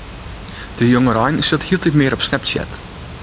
De jongerein sit hieltyd mear op Snapchat.